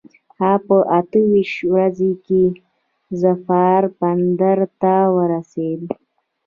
هغه په اته ویشت ورځي کې ظفار بندر ته ورسېد.